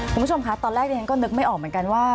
คุณผู้ชมคะตอนแรกที่ฉันก็นึกไม่ออกเหมือนกันว่า